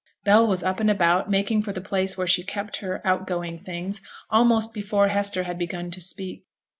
Bell was up and about, making for the place where she kept her out going things, almost before Hester had begun to speak.